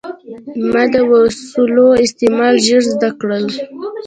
ما د وسلو استعمال ژر زده کړ.